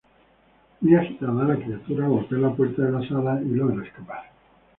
Muy agitada, la criatura golpea la puerta de la sala y logra escapar.